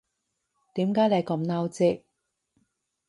點解你咁嬲啫